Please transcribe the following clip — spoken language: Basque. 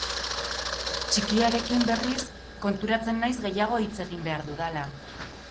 Txikiarekin, berriz, konturatzen naiz gehiago hitz egin behar dudala.